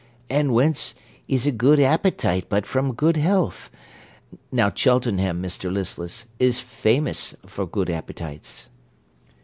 and whence is a good appetite but from good health? Now, Cheltenham, Mr Listless, is famous for good appetites.